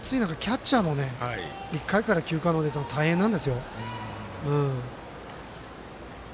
実は、この暑い中キャッチャーも１回から９回まで投げるの大変なんですよ。